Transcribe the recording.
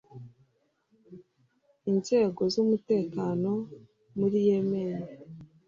Inzego z’umutekano muri Yemen